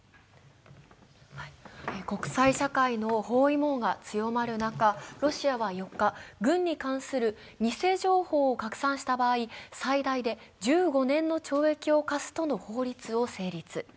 国際社会の包囲網が強まる中、ロシアは４日、軍に関する偽情報を拡散した場合、最大で１５年の懲役を科すとの法律を成立。